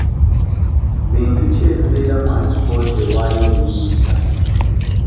Bintu ki ebibeera mu alipoota ewaayo obuyinza?